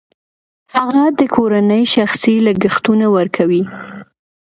هغه د کورنۍ شخصي لګښتونه ورکوي